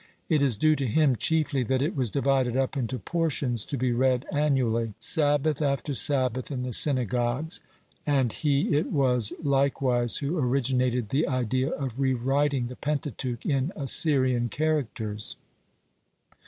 (42) It is due to him chiefly that it was divided up into portions, to be read annually, Sabbath after Sabbath, in the synagogues, (43) and he it was, likewise, who originated the idea of re writing the Pentateuch in "Assyrian" characters.